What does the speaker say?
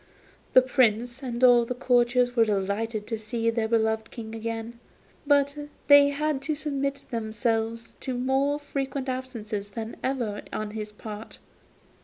The Prince and all the courtiers were delighted to see their beloved King again, but they had to submit themselves to more frequent absences than ever on his part.